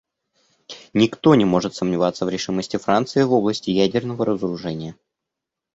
Никто не может сомневаться в решимости Франции в области ядерного разоружения.